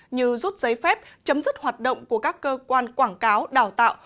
như rút giấy phép chấm dứt hoạt động của các cơ quan quảng cáo đào tạo